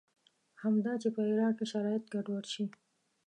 همدا چې په عراق کې شرایط ګډوډ شي.